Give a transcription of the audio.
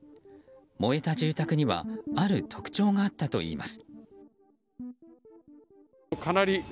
燃えた住宅にはある特徴があったといいます。